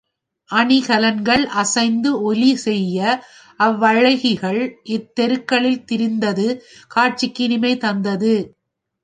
அணிகலன்கள் அசைந்து ஒலிசெய்ய அவ்வழகியர் அத்தெருக்களில் திரிந்தது காட்சிக்கு இனிமை தந்தது.